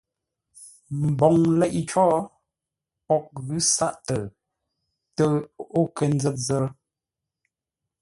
Mboŋ leʼé cǒ, poghʼ ghʉ̌ sáʼ təʉ tə o kə́ zə̂t zə̂t.